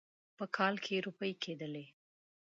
په کال کې روپۍ کېدلې.